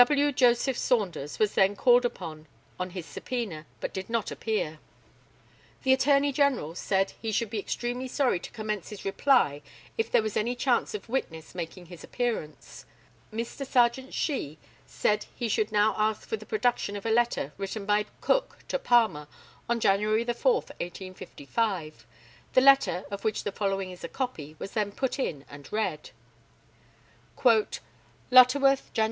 W. JOSEPH SAUNDERS was then called up on his subpœna, but did not appear. The ATTORNEY GENERAL said he should be extremely sorry to commence his reply if there was any chance of witness making his appearance. Mr. Serjeant SHEE said he should now ask for the production of a letter written by Cook to Palmer on Jan. 4, 1855. The letter, of which the following is a copy, was then put in and read: "Lutterworth, Jan.